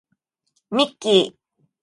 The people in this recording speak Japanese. ミッキー